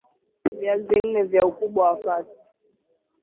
Viazi nne vya ukubwa wa kati